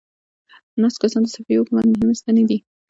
ناست کسان د صفوي حکومت مهمې ستنې دي.